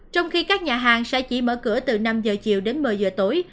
trong khi các nhà hàng sẽ chỉ mở cửa từ năm giờ chiều đến một mươi giờ tối